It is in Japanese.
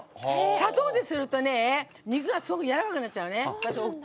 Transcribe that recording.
砂糖ですると肉がすごくやわらかくなるのね。